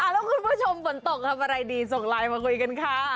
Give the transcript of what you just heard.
แล้วคุณผู้ชมฝนตกทำอะไรดีส่งไลน์มาคุยกันค่ะ